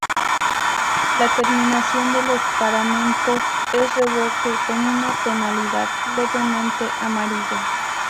La terminación de los paramentos es revoque con una tonalidad levemente amarilla.